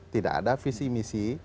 tidak ada visi misi